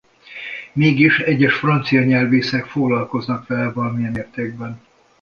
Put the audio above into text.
Mégis egyes francia nyelvészek foglalkoznak vele valamilyen mértékben.